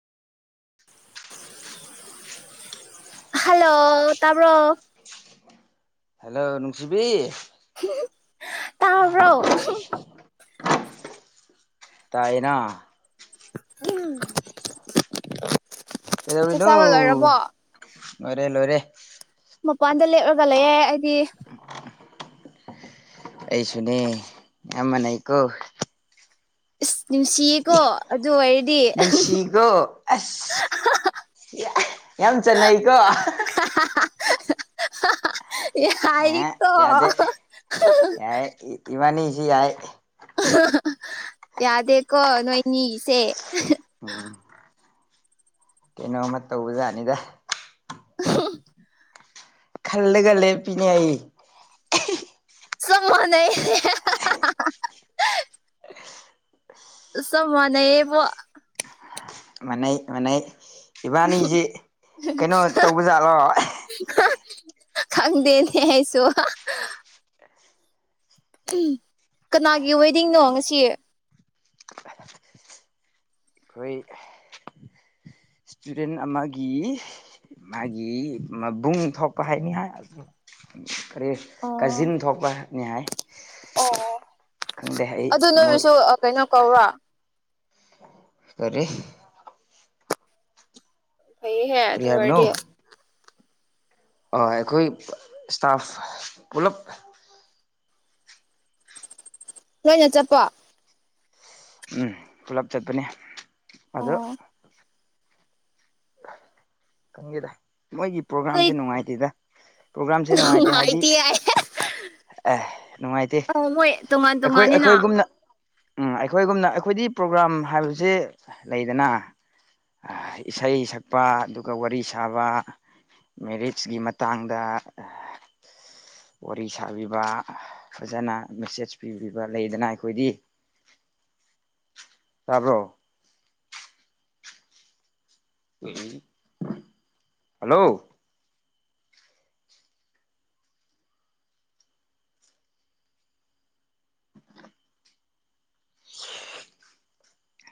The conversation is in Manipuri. [inaudible] ꯍꯜꯂꯣ ꯇꯕ꯭ꯔꯣ ꯍꯜꯂꯣ ꯅꯨꯡꯁꯤꯕꯤ ꯍꯨꯝ ꯍꯨꯝ ꯍꯥ ꯇꯥꯕꯔꯣ ꯍꯥ ꯇꯥꯏꯌꯦꯅ ꯎꯝ ꯀꯩꯗꯧꯔꯤꯅꯦ ꯂꯣꯏꯔꯦ ꯂꯣꯏꯔꯦ ꯃꯄꯥꯟꯗ ꯂꯦꯞꯂꯒ ꯂꯩꯌꯦ ꯑꯩꯗꯤ ꯑꯩꯁꯨꯅꯦ ꯅꯥꯌꯝꯕ ꯂꯩꯀꯣ ꯏꯁ ꯅꯨꯡꯁꯤꯌꯦꯀꯣ ꯑꯗꯨ ꯑꯣꯏꯔꯗꯤ ꯅꯨꯡꯁꯤꯀꯣ ꯑꯁ ꯌꯥꯝ ꯆꯟꯅꯩꯀꯣ [unintelligible] ꯑꯥ ꯌꯥꯏꯀꯣ ꯌꯥꯗꯦ ꯌꯥꯏ ꯏꯕꯥꯅꯤꯁꯤ ꯌꯥꯏ ꯌꯥꯗꯦꯀꯣ ꯅꯣꯏꯅꯤꯒꯤꯁꯦ ꯀꯩꯅꯣꯃ ꯇꯧꯕꯖꯥꯠꯅꯤꯗ [unintelligible] ꯈꯜꯂ ꯂꯦꯞꯄꯤꯅꯦ ꯑꯩ [unintelligible] ꯆꯞ ꯃꯥꯅꯩꯌꯦꯕꯣ ꯃꯅꯩ ꯃꯅꯩ ꯏꯕꯥꯅꯤꯁꯤ ꯀꯩꯅꯣ ꯇꯧꯕꯖꯥꯠꯂꯣ ꯈꯪꯗꯦꯅꯦ ꯑꯩꯁꯨ ꯀꯅꯥꯒꯤ ꯋꯦꯗꯤꯡꯅꯣ ꯉꯁꯤ [unintelligible] ꯏꯁꯇꯨꯗꯦꯟ ꯑꯃꯒꯤ ꯃꯥꯒꯤ ꯃꯥꯕꯨꯡ ꯊꯣꯛꯄ ꯍꯥꯏꯅꯤ ꯍꯥꯏ ꯀꯔꯤ ꯑꯣ ꯀꯥꯖꯤꯟ ꯊꯣꯛꯄꯅꯤ ꯍꯥꯏ ꯑꯣ ꯈꯪꯗꯦ ꯑꯩ ꯑꯗꯨ ꯃꯣꯏ ꯅꯣꯏꯁꯨ ꯀꯩꯅꯣ ꯀꯧꯔ [unintelligible] ꯐꯩꯍꯦ ꯀꯔꯤ ꯑꯗꯨ ꯑꯣꯏꯔꯗꯤ ꯑ ꯑꯈꯣꯏ ꯏꯁꯇꯥꯐ ꯄꯨꯂꯞ ꯅꯣꯏꯅ ꯆꯠꯄ ꯎꯝ ꯄꯨꯂꯞ ꯆꯠꯄꯅꯤ ꯑꯣ ꯈꯪꯒꯦꯗ ꯃꯣꯏꯒꯤ ꯈꯣꯏ ꯄ꯭ꯔꯣꯒꯥ꯭ꯔꯝꯁꯦ ꯅꯨꯡꯉꯥꯏꯇꯦꯗ ꯄ꯭ꯔꯣꯒ꯭ꯔꯥꯝꯁꯦ ꯍꯥꯏꯗꯤ ꯅꯨꯡꯉꯥꯏꯇꯦ ꯍꯥꯏ ꯑꯦ ꯅꯨꯡꯉꯥꯏꯇꯦ ꯑꯣ ꯃꯣꯏ ꯇꯣꯉꯥꯟ ꯑꯩꯈꯣꯏ ꯇꯣꯉꯅꯤꯅ ꯑꯩꯈꯣꯏꯒꯨꯝꯅ ꯎꯝ ꯑꯩꯈꯣꯏꯒꯨꯝꯅ ꯑꯩꯈꯣꯏꯗꯤ ꯄ꯭ꯔꯣꯒ꯭ꯔꯥꯝ ꯍꯥꯏꯕꯁꯦ ꯂꯩꯗꯅ ꯏꯁꯩ ꯁꯛꯄ ꯑꯗꯨꯒ ꯋꯥꯔꯤ ꯁꯥꯕ ꯃꯦꯔꯤꯠꯀꯤ ꯃꯇꯥꯡꯗ ꯋꯥꯔꯤ ꯁꯥꯕꯤꯕ ꯐꯖꯅ ꯃꯦꯁꯦꯖ ꯄꯤꯕꯤꯕ ꯂꯩꯗꯅ ꯑꯩꯈꯣꯏꯗꯤ ꯇꯥꯕꯔꯣ ꯍꯜꯂꯣ